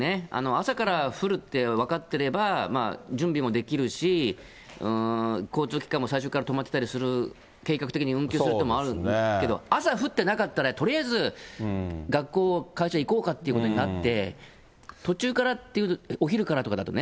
朝から降るって分かってれば、準備もできるし、交通機関も最初から止まってたりする、計画的に運休するという手もあるけど、朝降ってなかったら、とりあえず、学校、会社に行こうかということになって、途中からって、お昼からだとね。